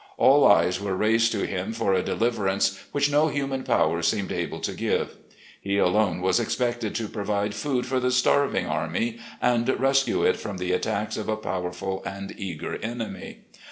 All eyes were raised to him for a deliverance which no human power seemed able to give. He alone was expected to provide food for the starving THE SURRENDER 151 army and rescue it from the attacks of a powerful and eager enemy.